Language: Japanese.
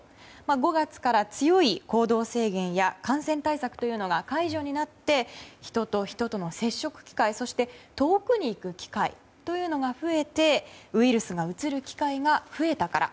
５月から、強い行動制限や感染対策というのが解除になって人と人との接触機会、そして遠くに行く機会というのが増えてウイルスがうつる機会が増えたから。